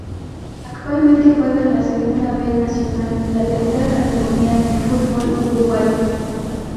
Actualmente juega en la Segunda B Nacional, la tercera categoría del fútbol uruguayo.